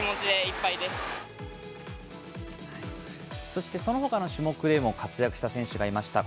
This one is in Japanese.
そしてそのほかの種目でも、活躍した選手がいました。